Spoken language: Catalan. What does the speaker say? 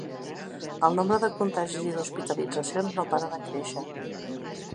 El nombre de contagis i d'hospitalitzacions no para de créixer.